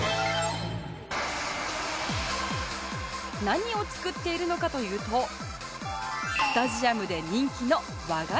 何を作っているのかというとスタジアムで人気の和菓子